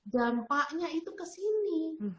dampaknya itu kesini